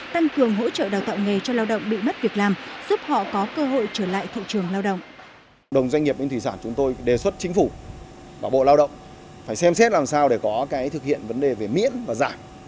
tăng cường hỗ trợ đào tạo nghề cho lao động bị mất việc làm giúp họ có cơ hội trở lại thị trường lao động